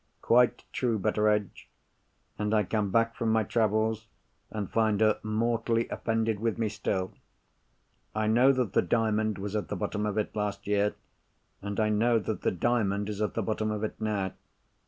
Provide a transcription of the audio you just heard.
"Quite true, Betteredge! And I come back from my travels, and find her mortally offended with me still. I knew that the Diamond was at the bottom of it, last year, and I know that the Diamond is at the bottom of it now.